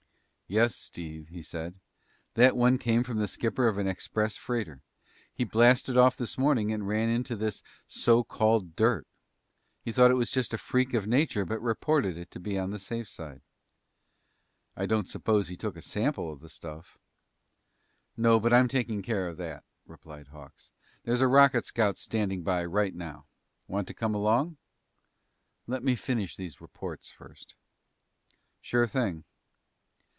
"Yes, Steve," he said. "That one came from the skipper of an express freighter. He blasted off this morning and ran through this so called dirt. He thought it was just a freak of nature but reported it to be on the safe side." "I don't suppose he took a sample of the stuff?" "No. But I'm taking care of that," replied Hawks. "There's a rocket scout standing by right now. Want to come along?" "Let me finish these reports first." "Sure thing."